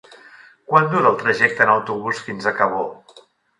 Quant dura el trajecte en autobús fins a Cabó?